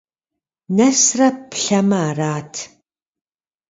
Нэсрэ плъэмэ - арат.